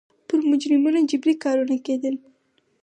پر مجرمینو جبري کارونه کېدل.